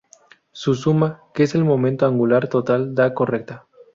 Su suma, que es el momento angular total, da correcta.